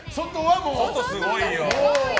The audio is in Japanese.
外、すごいよ！